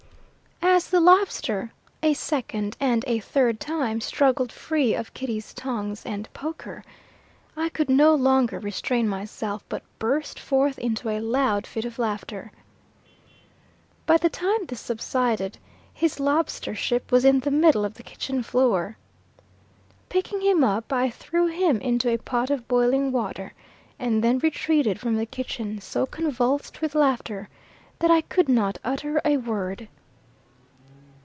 As the lobster, a second and a third time, struggled free of Kitty's tongs and poker, I could no longer restrain myself, but burst forth into a loud fit of laughter. By the time this subsided, his lobstership was in the middle of the kitchen floor. Picking him up, I threw him into a pot of boiling water, and then retreated from the kitchen, so convulsed with laughter that I could not utter a word.